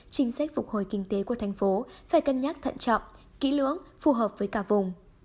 chính sách phục hồi kinh tế của thành phố phải cân nhắc thận trọng kỹ lưỡng phù hợp với cả vùng